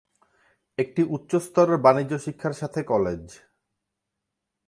একটি উচ্চ স্তরের বাণিজ্য শিক্ষার সাথে কলেজ।